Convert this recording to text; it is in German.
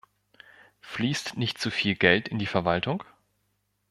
Fließt nicht zu viel Geld in die Verwaltung?